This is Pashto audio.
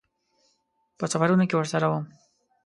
په سفرونو کې ورسره وم.